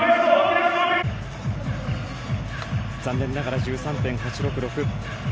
残念ながら１３．８６６。